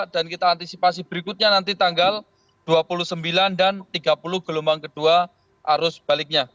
dan kita antisipasi berikutnya nanti tanggal dua puluh sembilan dan tiga puluh gelombang kedua arus baliknya